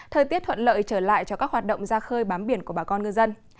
thời tiết thuận lợi trở lại cho các hoạt động ra khơi bám biển của bà con ngư dân